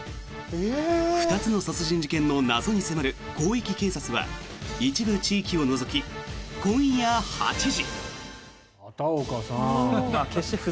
２つの殺人事件の謎に迫る「広域警察」は一部地域を除き今夜８時！